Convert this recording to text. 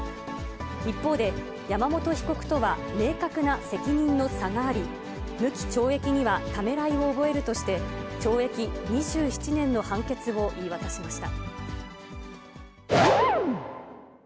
一方で、山本被告とは明確な責任の差があり、無期懲役にはためらいを覚えるとして、懲役２７年の判決を言い渡しました。